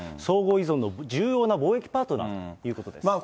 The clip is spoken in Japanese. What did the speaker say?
相互依存の重要な貿易パートナーということです。